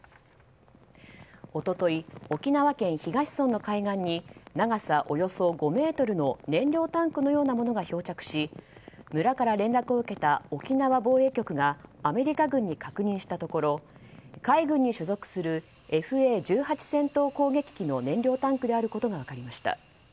一昨日、沖縄県東村の海岸に長さおよそ５ｍの燃料タンクのようなものが漂着し村から連絡を受けた沖縄防衛局がアメリカ軍に確認したところ海軍に所属するＦＡ１８戦闘攻撃機の燃料タンクであることが分かりました。